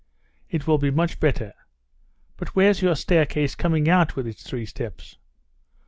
"It will be much better." "But where's your staircase coming out with its three steps?"